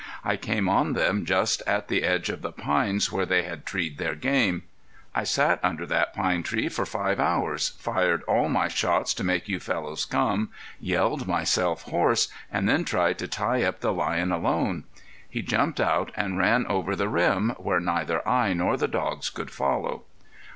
I came on them just at the edge of the pines where they had treed their game. I sat under that pine tree for five hours, fired all my shots to make you fellows come, yelled myself hoarse and then tried to tie up the lion alone. He jumped out and ran over the rim, where neither I nor the dogs could follow."